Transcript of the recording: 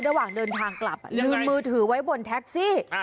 ระหว่างเดินทางกลับลืมมือถือไว้บนแท็กซี่